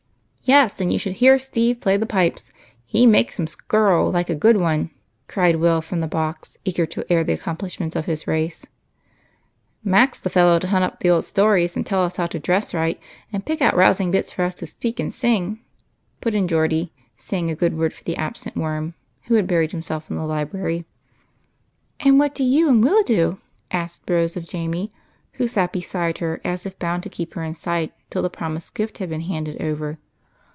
" Yes, and you should hear Steve play the pipes. lie makes 'em skirl like a good one," cried Will from the box, eager to air the accomi^lishments of his race. "Mac's the fellow to hunt up the old stories and tell us how to dress right, and pick out rousing bits for us to speak and sing," put in Geordie, saying a good word for the absent Worm. "And what do you and AVill do?" asked Rose of THE CLAN. 17 Jamie, who sat beside her as if bound to keep her in sight till the promised gift had been handed over.